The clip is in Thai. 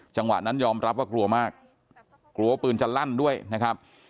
จังหวะนั้นยอมรับว่ากลัวมากกลัวว่าปืนจะลั่นด้วยนะครับ